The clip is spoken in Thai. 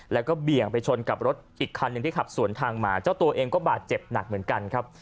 แล้วก็เบี่ยงไปชนกับรถอีกคันหนึ่งที่ขับสวนทางมาเจ้าตัวเองก็บาดเจ็บหนักเหมือนกันครับ